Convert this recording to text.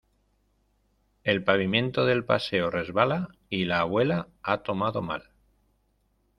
El pavimento del paseo resbala y la abuela ha tomado mal.